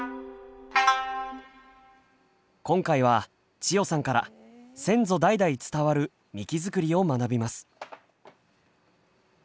今回は千代さんから先祖代々伝わるみき作りを学びます。